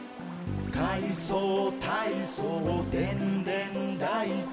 「かいそうたいそうでんでんだいこ」